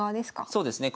そうですね。